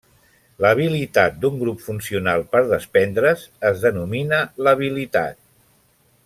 L'habilitat d'un grup funcional per desprendre's es denomina labilitat.